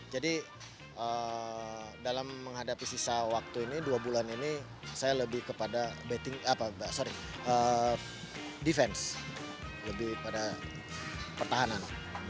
jadi dalam menghadapi sisa waktu ini dua bulan ini saya lebih kepada defense lebih pada pertahanan